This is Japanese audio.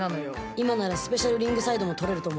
今ならスペシャルリングサイドも取れると思います。